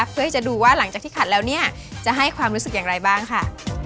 เพื่อที่จะดูว่าหลังจากที่ขัดแล้วเนี่ยจะให้ความรู้สึกอย่างไรบ้างค่ะ